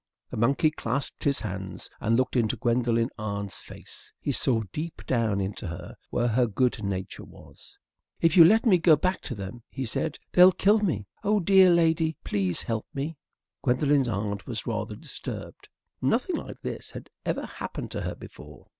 The monkey clasped his hands and looked into Gwendolen's aunt's face. He saw deep down into her, where her good nature was. "If you let me go back to them," he said, "they'll kill me. Oh, lady dear, please help me!" Gwendolen's aunt was rather disturbed. Nothing like this had happened to her before.